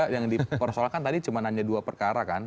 yang dipersoalkan tadi cuma hanya dua perkara kan